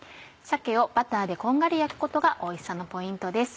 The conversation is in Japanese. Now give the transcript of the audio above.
鮭をバターでこんがり焼くことがおいしさのポイントです。